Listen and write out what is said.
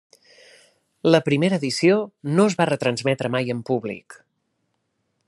La primera edició no es va retransmetre mai en públic.